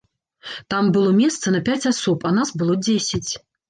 Там было месца на пяць асоб, а нас было дзесяць.